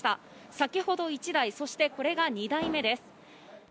先ほど１台そして、これが２台目です。